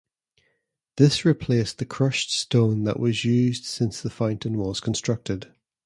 This replaced the crushed stone that was used since the fountain was constructed.